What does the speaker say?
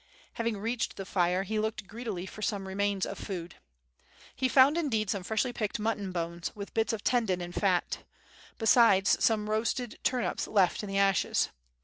Having reached the fire he looked greedily for some remains of food. He found indeed some freshly picked mutton bones with bits of tendon and fat, besides some roasted turnips left in the ashes.